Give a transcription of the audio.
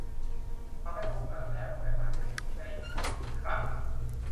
เราได้พบกันแล้ว แต่มันจะดีที่ได้เห็นเขาอีกครั้ง